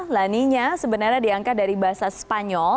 lani nari sebenarnya diangkat dari bahasa spanyol